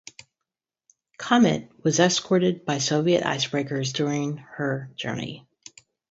"Komet" was escorted by Soviet icebreakers during her journey.